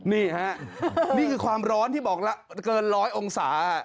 นี่ฮะนี่คือความร้อนที่บอกละเกินร้อยองศา